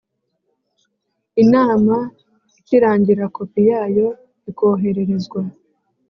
inama ikirangira kopi yayo ikohererezwa